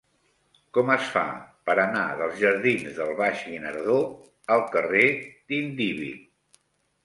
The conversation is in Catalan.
Com es fa per anar dels jardins del Baix Guinardó al carrer d'Indíbil?